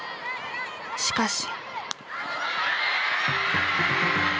しかし。